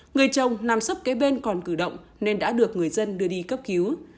người chồng nằm sấp kế bên còn cử động nên đã được người dân đưa đi cấp cứu